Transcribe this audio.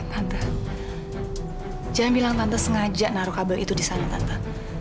tante jangan bilang tante sengaja naruh kabel itu di sana tante